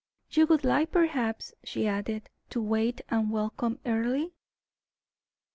"You would like, perhaps," she added, "to wait and welcome Earle?"